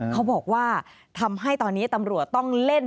เขาบอกว่าทำให้ตอนนี้ตำรวจต้องเล่น